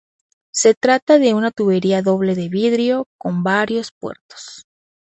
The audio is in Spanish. Se trata de una tubería doble de vidrio, con varios puertos.